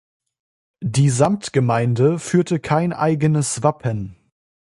Die Samtgemeinde führte kein eigenes Wappen.